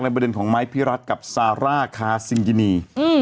ประเด็นของไม้พิรัตนกับซาร่าคาซิงกินี